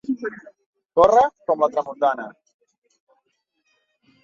Córrer com la tramuntana.